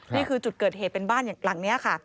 นี่คือจุดเกิดเหตุเป็นบ้านหลังนี้ค่ะ